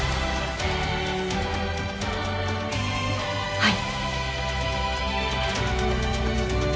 はい。